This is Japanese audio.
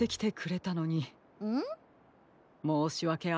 もうしわけありませんでした。